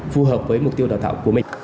phù hợp với mục tiêu đào tạo của mình